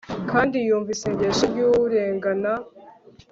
kandi yumva isengesho ry'urengana